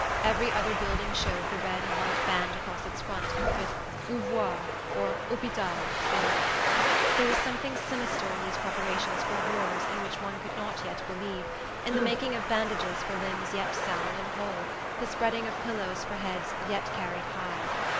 Every other building showed the red and white band across its front, with "Ouvroir" or "Hopital" beneath; there was something sinister in these preparations for horrors in which one could not yet believe, in the making of bandages for limbs yet sound and whole, the spreading of pillows for heads yet carried high.